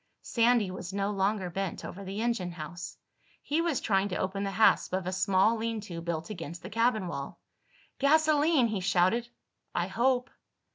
Sandy was no longer bent over the engine house. He was trying to open the hasp of a small lean to built against the cabin wall. "Gasoline!" he shouted. "I hope."